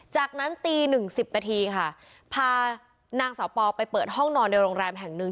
จากนั้นตีหนึ่งสิบนาทีค่ะพานางสาวปอไปเปิดห้องนอนในโรงแรมแห่งหนึ่ง